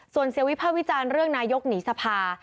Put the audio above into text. ส่วนเสียวิภาควิจารณ์เรื่องนายกหนีสภา